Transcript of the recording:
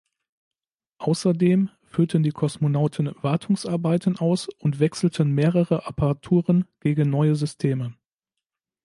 Außerdem führten die Kosmonauten Wartungsarbeiten aus und wechselten mehrere Apparaturen gegen neue Systeme.